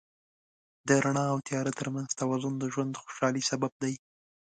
د رڼا او تیاره تر منځ توازن د ژوند د خوشحالۍ سبب دی.